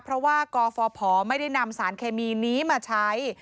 เพราะว่ากฟพไม่ได้นำสารเคมีนี้มาใช้